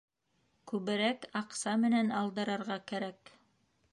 Күберәк аҡса менән алдырырға кәрәк.